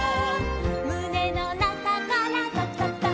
「むねのなかからとくとくとく」